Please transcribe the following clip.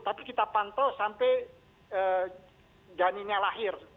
tapi kita pantau sampai janinnya lahir